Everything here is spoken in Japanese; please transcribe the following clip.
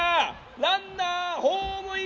ランナーホームイン！